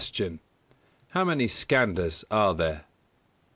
_How many Skandhas are there?